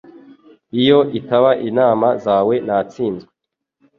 Iyo itaba inama zawe natsinzwe